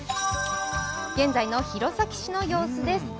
現在の弘前市の様子です。